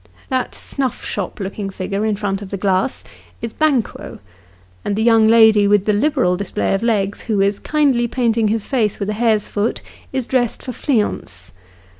That snuff shop looking figure, in front of the glass, is Banquo : and the young lady with the liberal display of legs, who is kindly painting his face with a hare's foot, is dressed for Fleance.